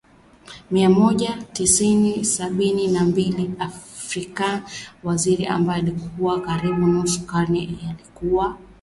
moja mia tisa sabini na mbili American waziri ambaye kwa karibu nusu karne alikuwa